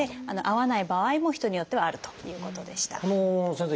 先生。